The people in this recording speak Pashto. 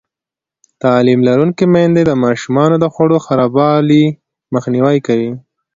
تعلیم لرونکې میندې د ماشومانو د خوړو خرابوالی مخنیوی کوي.